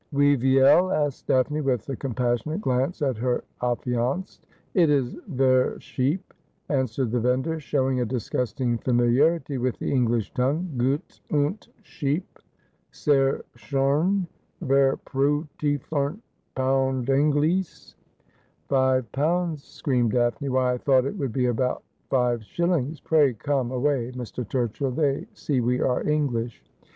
' Wie vielf asked Daphne, with a compassionate glance at her affianced. 'It is ver sheep,' answered the vendor, showing a disgusting familiarity with the English tongue. ' G ut und sheep, sehr schon, ver prurty, f unf pound Englees.' ' Five pounds !' screamed Daphne :' why, I thought it would be about five shillings ! Pray come away, Mr. Turchill. They see we are English.'